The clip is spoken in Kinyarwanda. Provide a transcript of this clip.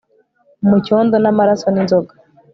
mucyondo n'amaraso n'inzoga